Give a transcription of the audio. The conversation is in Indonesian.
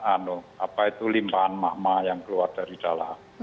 apa itu limpaan mahma yang keluar dari dalam